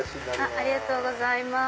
ありがとうございます。